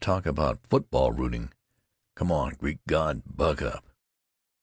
talk about football rooting.... Come on, Greek god, buck up."